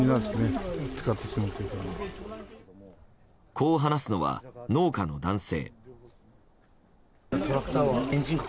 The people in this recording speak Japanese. こう話すのは、農家の男性。